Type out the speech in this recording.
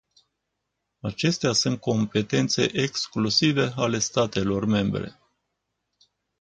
Acestea sunt competențe exclusive ale statelor membre.